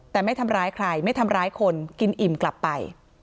แต่ไม่ทำร้ายใครไม่ทำร้ายคนกินอิ่มกลับไป